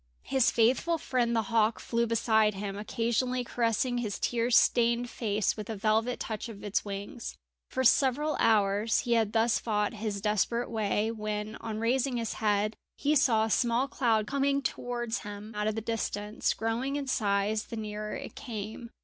His faithful friend the hawk flew beside him, occasionally caressing his tear stained face with the velvet touch of its wings. For several hours he had thus fought his desperate way, when, on raising his head, he saw a small cloud coming towards him out of the distance, growing in size the nearer it came.